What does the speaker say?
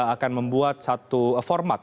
akan membuat satu format